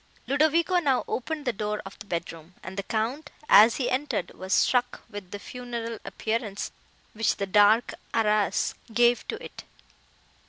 Ludovico now opened the door of the bedroom, and the Count, as he entered, was struck with the funereal appearance which the dark arras gave to it.